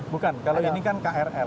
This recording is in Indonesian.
bukan kalau ini kan krl